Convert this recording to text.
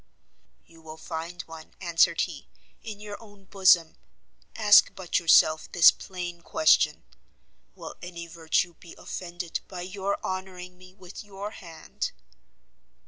"You will find one," answered he, "in your own bosom; ask but yourself this plain question; will any virtue be offended by your honouring me with your hand?"